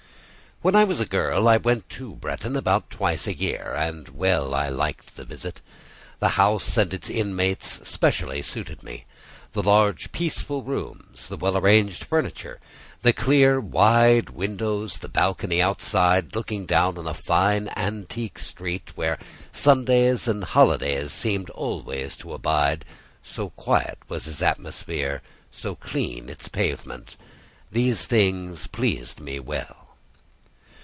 When I was a girl I went to Bretton about twice a year, and well I liked the visit. The house and its inmates specially suited me. The large peaceful rooms, the well arranged furniture, the clear wide windows, the balcony outside, looking down on a fine antique street, where Sundays and holidays seemed always to abide—so quiet was its atmosphere, so clean its pavement—these things pleased me well.